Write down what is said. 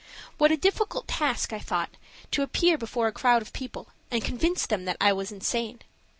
What a difficult task, I thought, to appear before a crowd of people and convince them that I was insane.